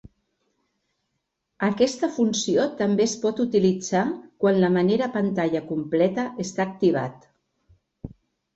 Aquesta funció també es pot utilitzar quan la manera pantalla completa està activat.